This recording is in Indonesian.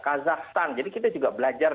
kazakhstan jadi kita juga belajar